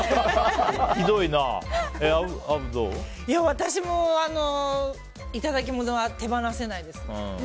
私も、いただきものは手放せないです。